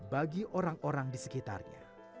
bagi orang orang di sekitarnya